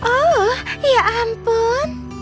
oh ya ampun